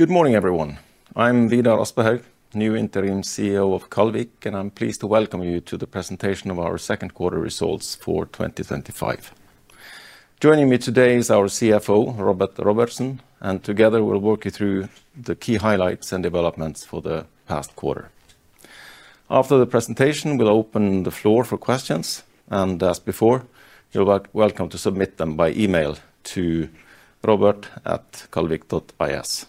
Good morning, everyone. I'm Vidar Aspehaug, new Interim CEO of Kaldvík, and I'm pleased to welcome you to the presentation of our second quarter results for 2025. Joining me today is our CFO, Róbert Róbertsson, and together we'll walk you through the key highlights and developments for the past quarter. After the presentation, we'll open the floor for questions, and as before, you're welcome to submit them by email to robert@kaldvik.is.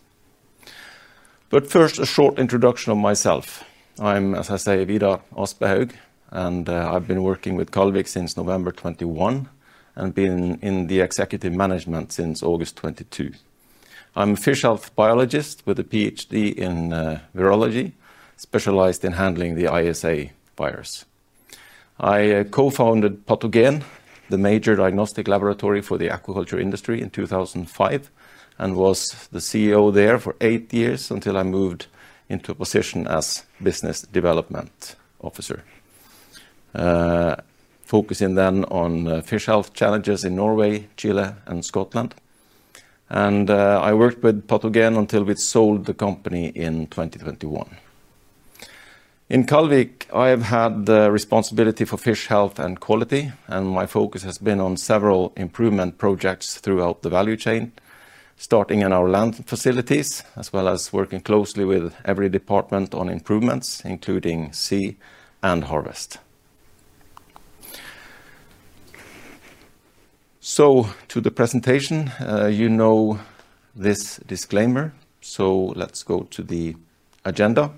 First, a short introduction of myself. I'm, as I say, Vidar Aspehaug, and I've been working with Kaldvík since November 2021 and been in the executive management since August 2022. I'm a fish health biologist with a PhD in virology, specialized in handling the ISA virus. I co-founded PatoGen, the major diagnostic laboratory for the aquaculture industry in 2005, and was the CEO there for eight years until I moved into a position as Business Development Officer, focusing then on fish health challenges in Norway, Chile, and Scotland. I worked with PatoGen until we sold the company in 2021. In Kaldvík, I've had the responsibility for fish health and quality, and my focus has been on several improvement projects throughout the value chain, starting in our land facilities, as well as working closely with every department on improvements, including sea and harvest. To the presentation, you know this disclaimer, let's go to the agenda.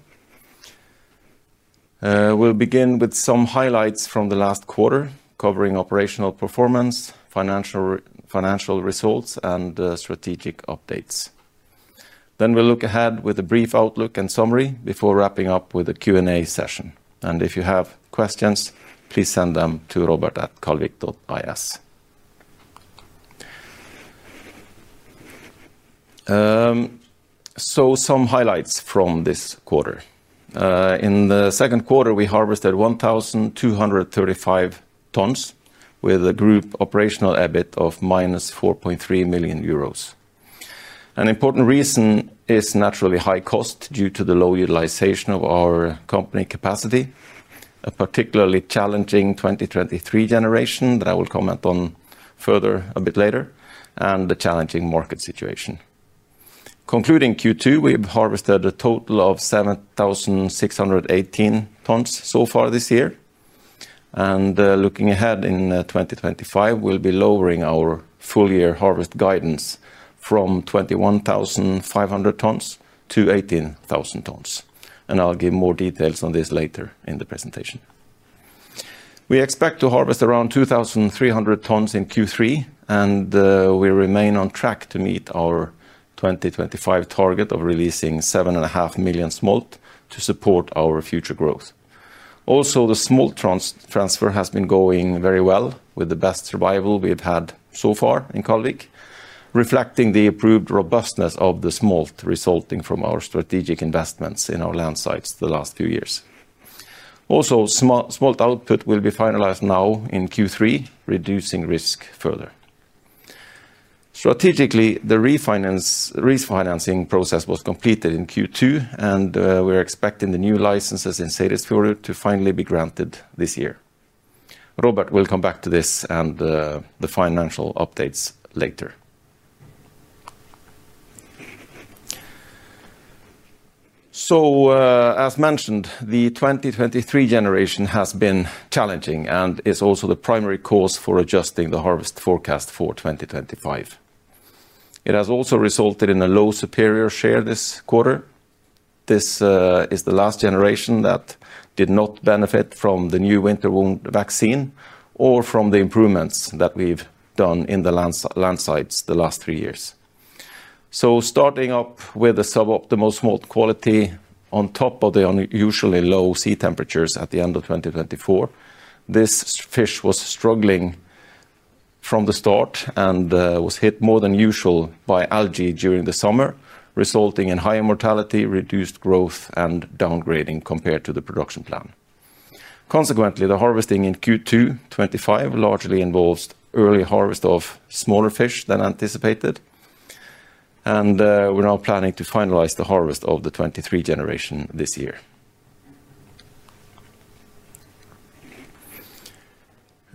We'll begin with some highlights from the last quarter, covering operational performance, financial results, and strategic updates. Next, we'll look ahead with a brief outlook and summary before wrapping up with a Q&A session. If you have questions, please send them to robert@kaldvik.is. Some highlights from this quarter. In the second quarter, we harvested 1,235 tons with a group operational EBIT of minus 4.3 million euros. An important reason is naturally high cost due to the low utilization of our company capacity, a particularly challenging 2023 generation that I will comment on further a bit later, and the challenging market situation. Concluding Q2, we've harvested a total of 7,618 tons so far this year. Looking ahead in 2025, we'll be lowering our full-year harvest guidance from 21,500 tons to 18,000 tons. I'll give more details on this later in the presentation. We expect to harvest around 2,300 tons in Q3, and we remain on track to meet our 2025 target of releasing 7.5 million smolt to support our future growth. Also, the smolt transfer has been going very well with the best survival we've had so far in Kaldvík, reflecting the improved robustness of the smolt resulting from our strategic investments in our land sites the last few years. Also, smolt output will be finalized now in Q3, reducing risk further. Strategically, the refinancing process was completed in Q2, and we're expecting the new licenses in Salisfjord to finally be granted this year. Róbert will come back to this and the financial updates later. As mentioned, the 2023 generation has been challenging and is also the primary cause for adjusting the harvest forecast for 2025. It has also resulted in a low superior share this quarter. This is the last generation that did not benefit from the new winter-wound vaccine or from the improvements that we've done in the land sites the last three years. Starting up with the suboptimal smolt quality on top of the unusually low sea temperatures at the end of 2024, this fish was struggling from the start and was hit more than usual by algae during the summer, resulting in higher mortality, reduced growth, and downgrading compared to the production plan. Consequently, the harvesting in Q2 2025 largely involves early harvest of smaller fish than anticipated, and we're now planning to finalize the harvest of the 2023 generation this year.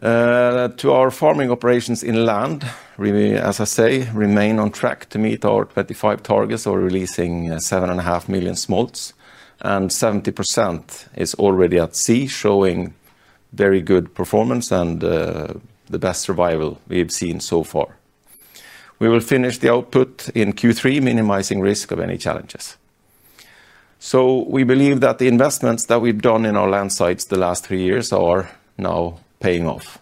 To our farming operations in land, we, as I say, remain on track to meet our 2025 targets of releasing 7.5 million smolt, and 70% is already at sea, showing very good performance and the best survival we've seen so far. We will finish the output in Q3, minimizing risk of any challenges. We believe that the investments that we've done in our land sites the last three years are now paying off.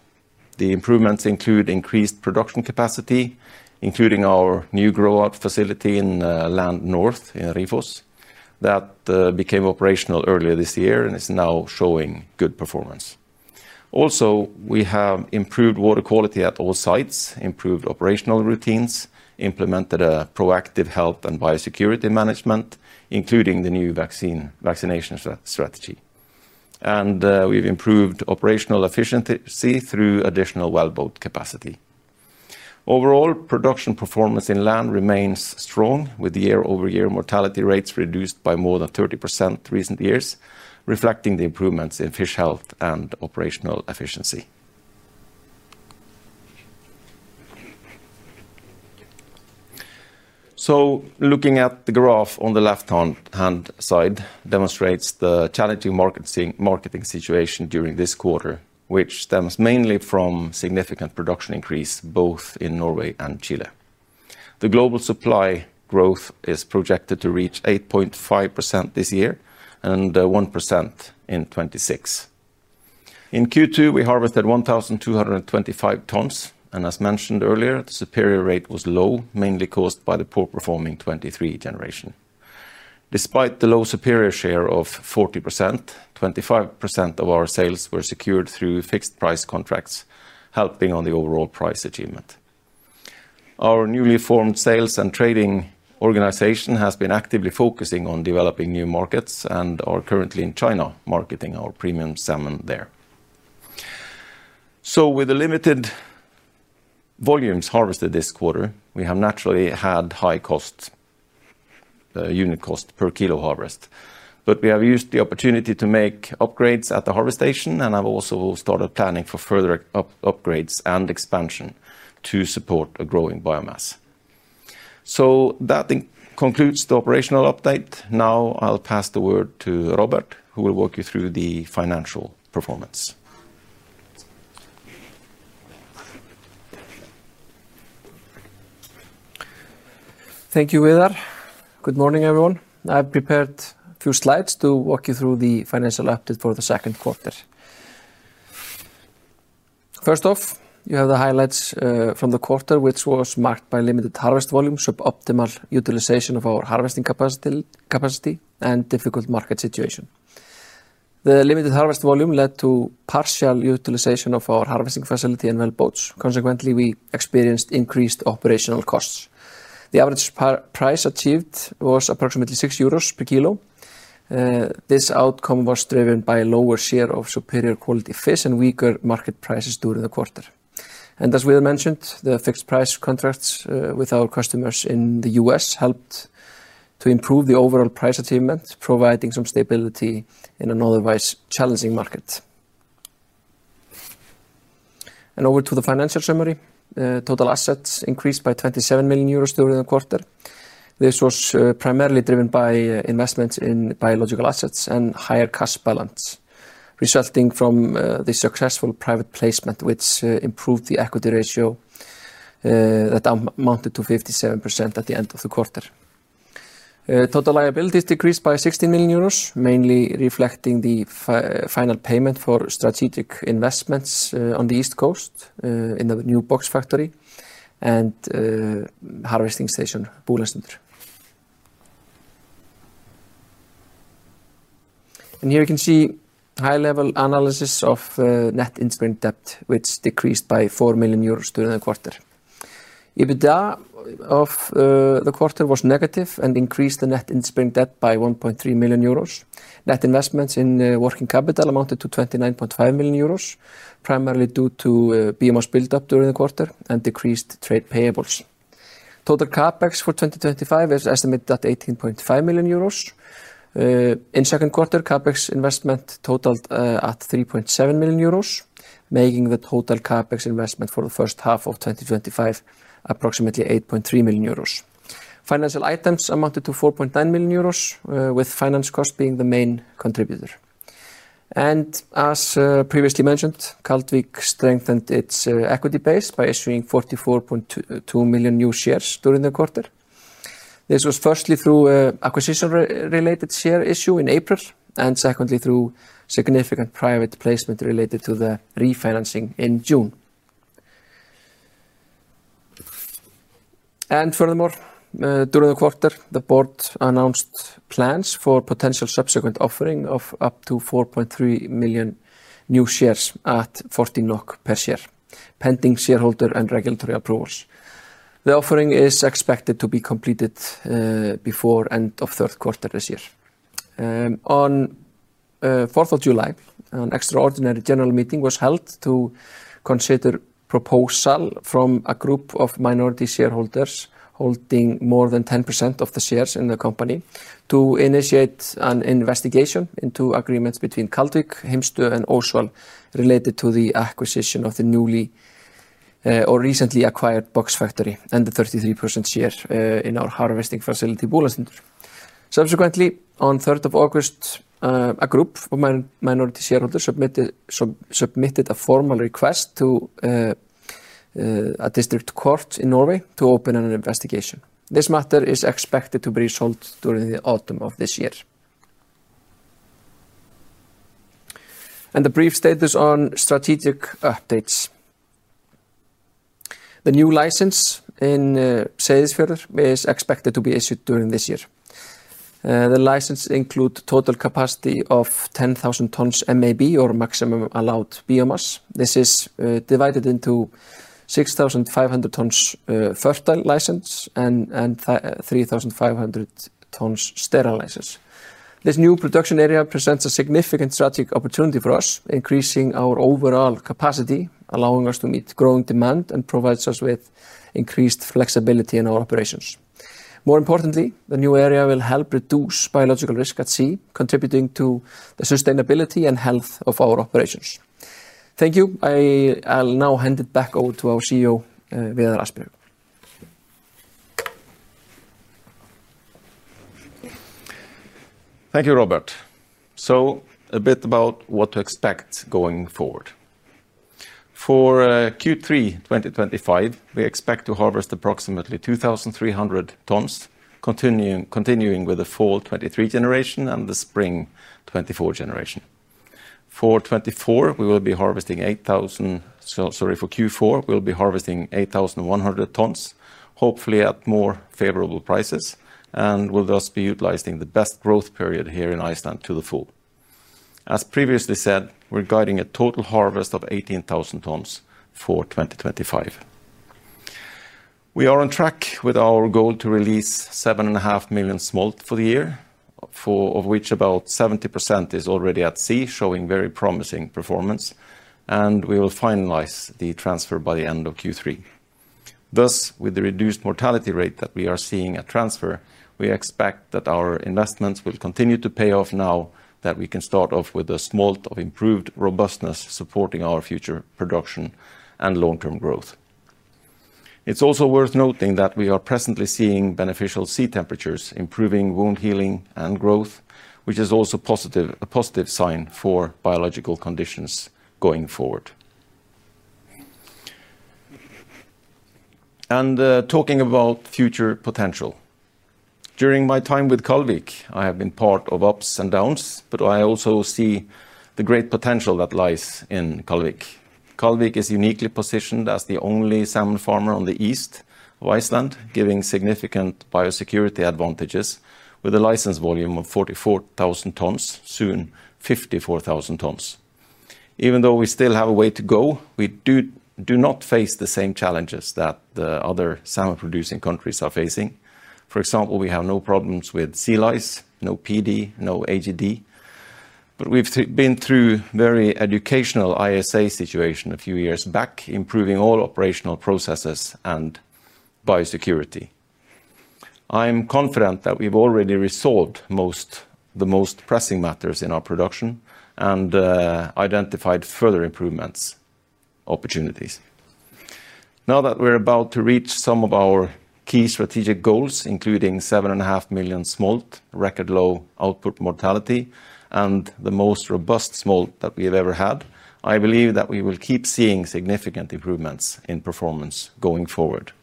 The improvements include increased production capacity, including our new grow-out facility in land north in Rifos that became operational earlier this year and is now showing good performance. Also, we have improved water quality at all sites, improved operational routines, implemented a proactive health and biosecurity management, including the new vaccination strategy. We've improved operational efficiency through additional wellboat capacity. Overall, production performance in land remains strong, with year-over-year mortality rates reduced by more than 30% recent years, reflecting the improvements in fish health and operational efficiency. Looking at the graph on the left-hand side demonstrates the challenging marketing situation during this quarter, which stems mainly from significant production increase both in Norway and Chile. The global supply growth is projected to reach 8.5% this year and 1% in 2026. In Q2, we harvested 1,225 tons, and as mentioned earlier, the superior rate was low, mainly caused by the poor-performing 2023 generation. Despite the low superior share of 40%, 25% of our sales were secured through fixed-price contracts, helping on the overall price achievement. Our newly formed sales and trading organization has been actively focusing on developing new markets and are currently in China marketing our premium salmon there. With the limited volumes harvested this quarter, we have naturally had high costs, unit costs per kilo harvest, but we have used the opportunity to make upgrades at the harvest station and have also started planning for further upgrades and expansion to support a growing biomass. That concludes the operational update. Now I'll pass the word to Róbert, who will walk you through the financial performance. Thank you, Vidar. Good morning, everyone. I've prepared a few slides to walk you through the financial update for the second quarter. First off, you have the highlights from the quarter, which was marked by limited harvest volume, suboptimal utilization of our harvesting capacity, and difficult market situation. The limited harvest volume led to partial utilization of our harvesting facility and wellboats. Consequently, we experienced increased operational costs. The average price achieved was approximately 6 euros per kilo. This outcome was driven by a lower share of superior quality fish and weaker market prices during the quarter. As we mentioned, the fixed-price contracts with our customers in the U.S. helped to improve the overall price achievement, providing some stability in an otherwise challenging market. Over to the financial summary, total assets increased by 27 million euros during the quarter. This was primarily driven by investments in biological assets and higher cost balance, resulting from the successful private placement, which improved the equity ratio that amounted to 57% at the end of the quarter. Total liabilities decreased by 16 million euros, mainly reflecting the final payment for strategic investments on the East Coast in the new box factory and harvesting station, Búlandstindur. Here you can see high-level analysis of net interest-bearing debt, which decreased by 4 million euros during the quarter. EBITDA of the quarter was negative and increased the net interest-bearing debt by 1.3 million euros. Net investments in working capital amounted to 29.5 million euros, primarily due to biomass buildup during the quarter and decreased trade payables. Total CapEx for 2025 is estimated at 18.5 million euros. In the second quarter, CapEx investment totaled 3.7 million euros, making the total CapEx investment for the first half of 2025 approximately 8.3 million euros. Financial items amounted to 4.9 million euros, with finance costs being the main contributor. As previously mentioned, Kaldvík strengthened its equity base by issuing 44.2 million new shares during the quarter. This was firstly through an acquisition-related share issue in April, and secondly through significant private placement related to the refinancing in June. Furthermore, during the quarter, the board announced plans for potential subsequent offering of up to 4.3 million new shares at 14 NOK per share, pending shareholder and regulatory approvals. The offering is expected to be completed before the end of the third quarter this year. On 4th of July, an extraordinary general meeting was held to consider a proposal from a group of minority shareholders holding more than 10% of the shares in the company to initiate an investigation into agreements between Kaldvík, Heimstø AS, and Austur Holding related to the acquisition of the newly or recently acquired box factory and the 33% share in our harvesting facility, Búlandstindur. Subsequently, on 3rd of August, a group of minority shareholders submitted a formal request to a district court in Norway to open an investigation. This matter is expected to be resolved during the autumn of this year. A brief statement on strategic updates: the new license in Salisfjord is expected to be issued during this year. The license includes a total capacity of 10,000 tons MAB or maximum allowed biomass. This is divided into 6,500 tons fertile license and 3,500 tons sterile license. This new production area presents a significant strategic opportunity for us, increasing our overall capacity, allowing us to meet growing demand, and provides us with increased flexibility in our operations. More importantly, the new area will help reduce biological risk at sea, contributing to the sustainability and health of our operations. Thank you. I'll now hand it back over to our CEO, Vidar Aspehaug. Thank you, Róbert. A bit about what to expect going forward. For Q3 2025, we expect to harvest approximately 2,300 tons, continuing with the fall '23 generation and the spring '24 generation. For '24, we will be harvesting 8,000... Sorry, for Q4, we'll be harvesting 8,100 tons, hopefully at more favorable prices, and we'll thus be utilizing the best growth period here in Iceland to the full. As previously said, we're guiding a total harvest of 18,000 tons for 2025. We are on track with our goal to release 7.5 million smolt for the year, of which about 70% is already at sea, showing very promising performance, and we will finalize the transfer by the end of Q3. With the reduced mortality rate that we are seeing at transfer, we expect that our investments will continue to pay off now that we can start off with a smolt of improved robustness, supporting our future production and long-term growth. It's also worth noting that we are presently seeing beneficial sea temperatures, improving wound healing and growth, which is also a positive sign for biological conditions going forward. Talking about future potential. During my time with Kaldvík, I have been part of ups and downs, but I also see the great potential that lies in Kaldvík. Kaldvík is uniquely positioned as the only salmon farmer on the east of Iceland, giving significant biosecurity advantages, with a license volume of 44,000 tons, soon 54,000 tons. Even though we still have a way to go, we do not face the same challenges that the other salmon-producing countries are facing. For example, we have no problems with sea lice, no PD, no AGD. We've been through a very educational ISA situation a few years back, improving all operational processes and biosecurity. I'm confident that we've already resolved most of the most pressing matters in our production and identified further improvement opportunities. Now that we're about to reach some of our key strategic goals, including 7.5 million smolt, record low output mortality, and the most robust smolt that we've ever had, I believe that we will keep seeing significant improvements in performance going forward.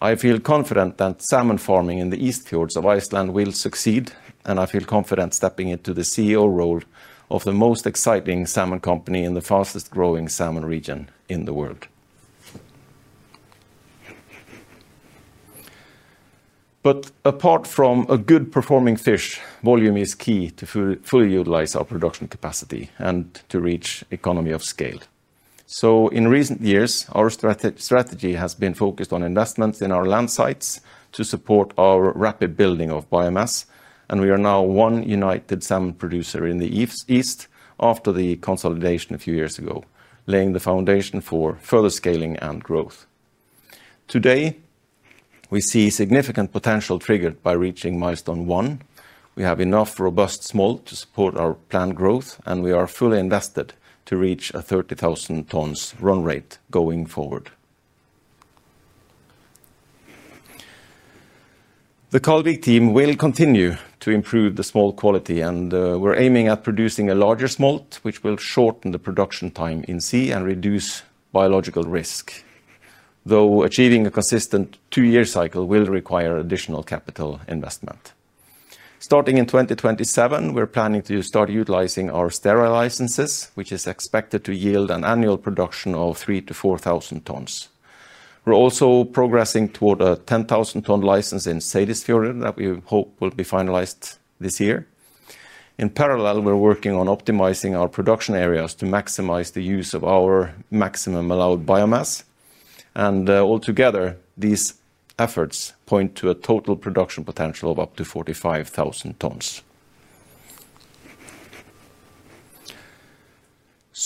I feel confident that salmon farming in the east fjords of Iceland will succeed, and I feel confident stepping into the CEO role of the most exciting salmon company in the fastest growing salmon region in the world. Apart from a good performing fish, volume is key to fully utilize our production capacity and to reach economy of scale. In recent years, our strategy has been focused on investments in our land sites to support our rapid building of biomass, and we are now one united salmon producer in east after the consolidation a few years ago, laying the foundation for further scaling and growth. Today, we see significant potential triggered by reaching milestone one. We have enough robust smolt to support our planned growth, and we are fully invested to reach a 30,000 tons run rate going forward. The Kaldvík team will continue to improve the smolt quality, and we're aiming at producing a larger smolt, which will shorten the production time in sea and reduce biological risk, though achieving a consistent two-year cycle will require additional capital investment. Starting in 2027, we're planning to start utilizing our sterile licenses, which is expected to yield an annual production of 3,000-4,000 tons. We're also progressing toward a 10,000-ton license in Salisfjord that we hope will be finalized this year. In parallel, we're working on optimizing our production areas to maximize the use of our maximum allowed biomass, and altogether, these efforts point to a total production potential of up to 45,000 tons.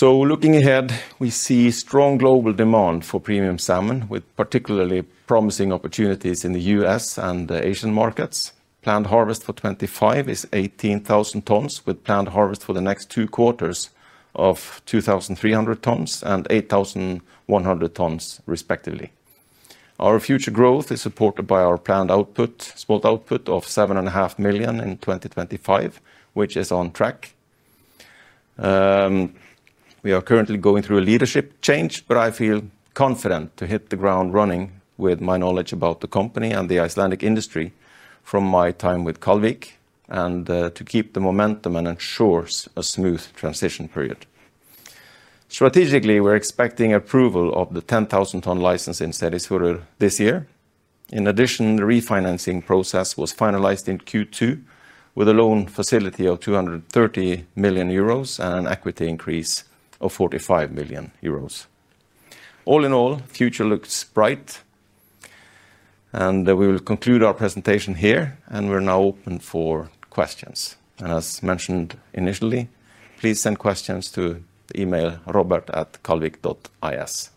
Looking ahead, we see strong global demand for premium salmon, with particularly promising opportunities in the U.S. and Asian markets. Planned harvest for 2025 is 18,000 tons, with planned harvest for the next two quarters of 2,300 tons and 8,100 tons, respectively. Our future growth is supported by our planned output, smolt output of 7.5 million in 2025, which is on track. We are currently going through a leadership change, but I feel confident to hit the ground running with my knowledge about the company and the Icelandic industry from my time with Kaldvík and to keep the momentum and ensure a smooth transition period. Strategically, we're expecting approval of the 10,000-ton license in Salisfjord this year. In addition, the refinancing process was finalized in Q2 with a loan facility of 230 million euros and an equity increase of 45 million euros. All in all, the future looks bright, and we will conclude our presentation here. We're now open for questions. As mentioned initially, please send questions to the email robert@ kaldvik.is.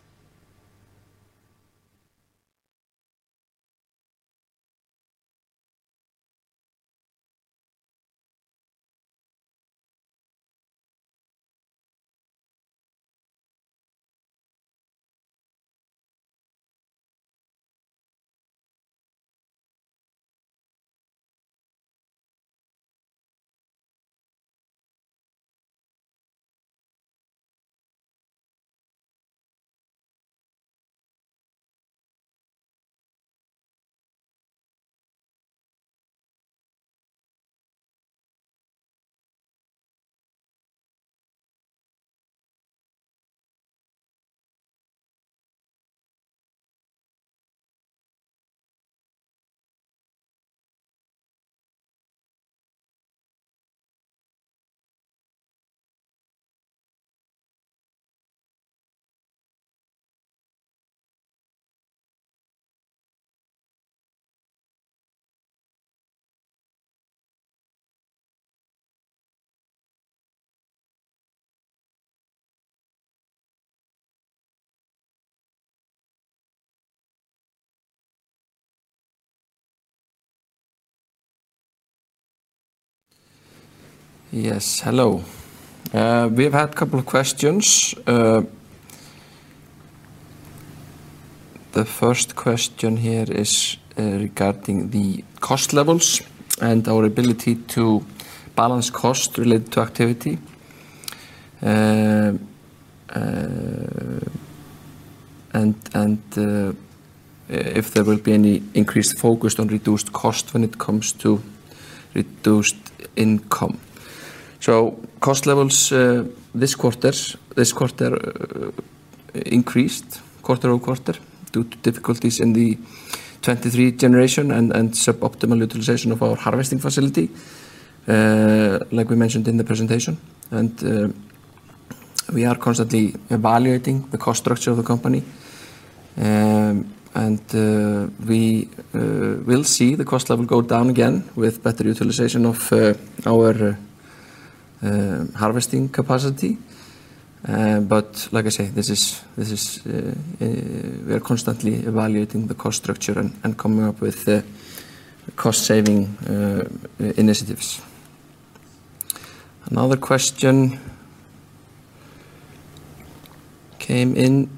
Yes, hello. We've had a couple of questions. The first question here is regarding the cost levels and our ability to balance costs related to activity, and if there will be any increased focus on reduced costs when it comes to reduced income. Cost levels this quarter increased quarter-over-quarter due to difficulties in the 2023 generation and suboptimal utilization of our harvesting facility, like we mentioned in the presentation. We are constantly evaluating the cost structure of the company, and we will see the cost level go down again with better utilization of our harvesting capacity. We are constantly evaluating the cost structure and coming up with cost-saving initiatives. Another question came in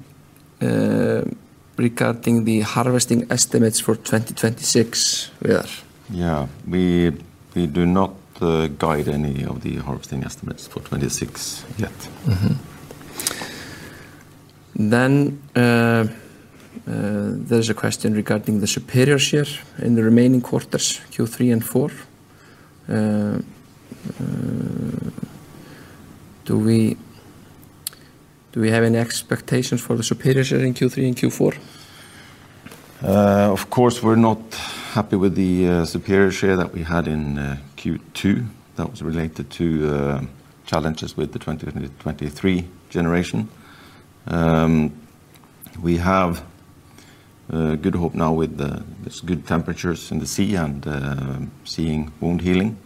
regarding the harvesting estimates for 2026, Vidar. We do not guide any of the harvesting estimates for 2026 yet. There is a question regarding the superior share in the remaining quarters, Q3 and Q4. Do we have any expectations for the superior share in Q3 and Q4? Of course, we're not happy with the superior share that we had in Q2. That was related to challenges with the 2023 generation. We have a good hope now with the good temperatures in the sea and seeing wound-healing.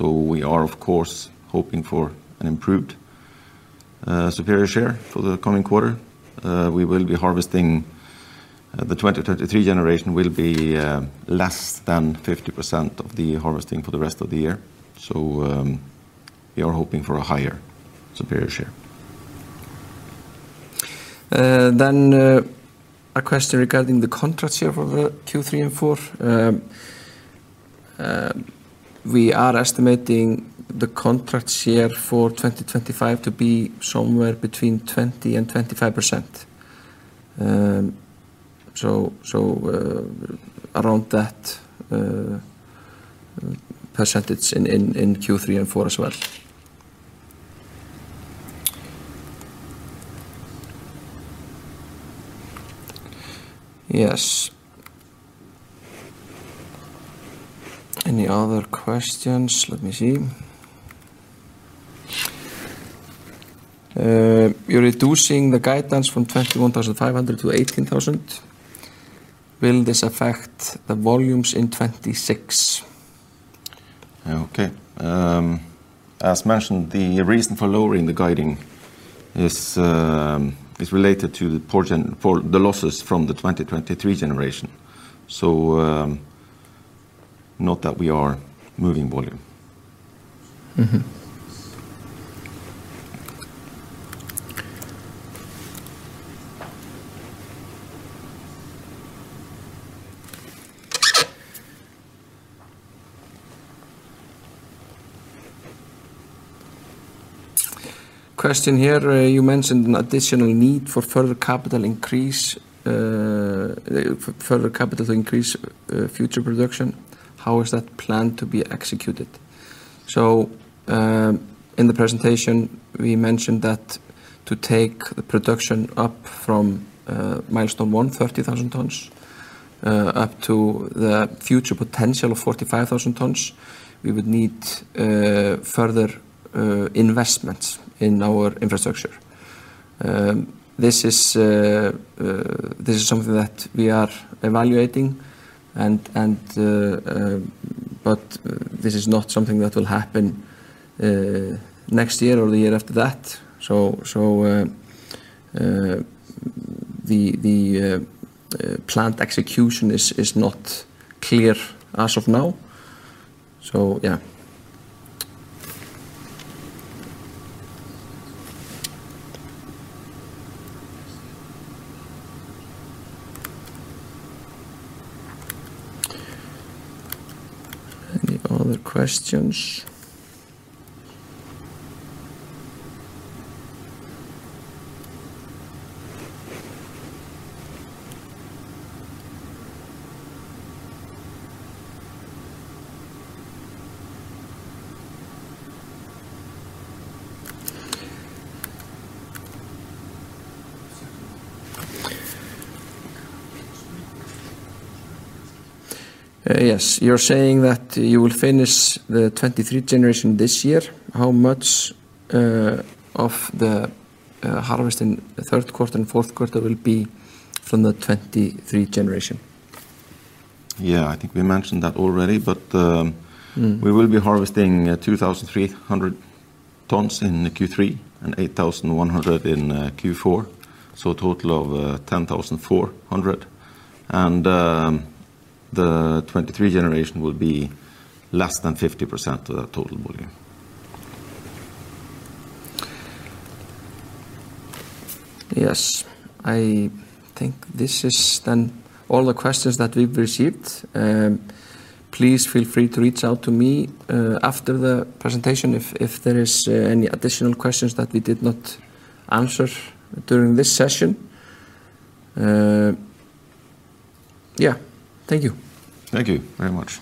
We are, of course, hoping for an improved superior share for the coming quarter. We will be harvesting; the 2023 generation will be less than 50% of the harvesting for the rest of the year. We are hoping for a higher superior share. A question regarding the contract share for Q3 and Q4. We are estimating the contract share for 2025 to be somewhere between 20% and 25%, so around that percentage in Q3 and Q4 as well. Yes. Any other questions? Let me see. You're reducing the guidance from 21,500 tons to 18,000 tons. Will this affect the volumes in 2026? Okay. As mentioned, the reason for lowering the guiding is related to the losses from the 2023 generation, not that we are moving volume. Question here. You mentioned an additional need for further capital increase, further capital to increase future production. How is that planned to be executed? In the presentation, we mentioned that to take the production up from milestone one, 30,000 tons, up to the future potential of 45,000 tons, we would need further investments in our infrastructure. This is something that we are evaluating, but this is not something that will happen next year or the year after that. The planned execution is not clear as of now. Any other questions? Yes. You're saying that you will finish the 2023 generation this year. How much of the harvest in the third quarter and fourth quarter will be from the 2023 generation? I think we mentioned that already, but we will be harvesting 2,300 tons in Q3 and 8,100 tons in Q4, for a total of 10,400 tons. The 2023 generation will be less than 50% of that total volume. Yes. I think this is then all the questions that we've received. Please feel free to reach out to me after the presentation if there are any additional questions that we did not answer during this session. Thank you. Thank you very much.